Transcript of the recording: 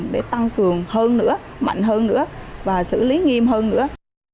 để tăng cường hơn nữa mạnh hơn nữa và xử lý nghiêm hơn nữa